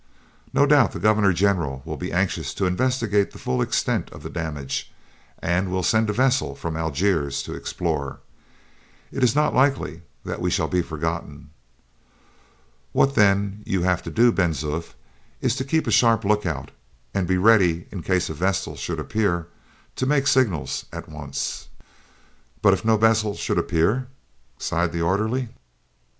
No doubt the governor general will be anxious to investigate the full extent of the damage, and will send a vessel from Algiers to explore. It is not likely that we shall be forgotten. What, then, you have to do, Ben Zoof, is to keep a sharp lookout, and to be ready, in case a vessel should appear, to make signals at once." "But if no vessel should appear!" sighed the orderly.